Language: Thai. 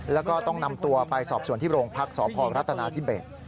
แล้วก็ต้องนำตัวไปสอบส่วนที่โรงพักษพรัฐนาธิเบส